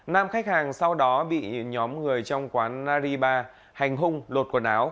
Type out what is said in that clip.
nam khách hàng sau đó bị nhóm người trong quán nariba hành hung lột quần áo